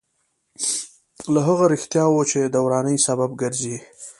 له هغه رښتیاوو چې د ورانۍ سبب ګرځي.